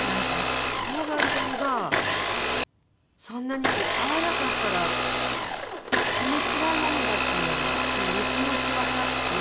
抗がん剤がそんなにこう合わなかったらそんなつらいものだっていうのがのちのちわかって。